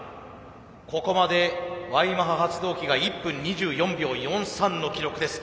ここまでＹマハ発動機が１分２４秒４３の記録です。